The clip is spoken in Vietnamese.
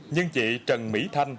nhưng chị trần mỹ thanh